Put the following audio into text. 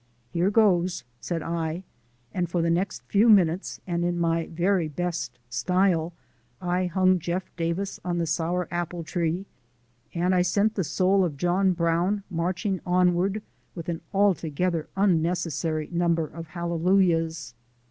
"Here goes," said I, and for the next few minutes, and in my very best style, I hung Jeff Davis on the sour apple tree, and I sent the soul of John Brown marching onward with an altogether unnecessary number of hallelujahs.